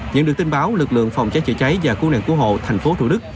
nhận được tin báo lực lượng phòng cháy chữa cháy và cung đàn cứu hộ thành phố thủ đức